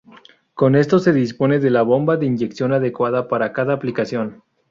Con esto se dispone de la bomba de inyección adecuada para cada aplicación.